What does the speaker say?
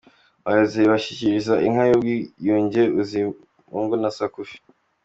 Abayobozi bashyikiriza inka y'ubwiyunge Bizimungu na Sakufi.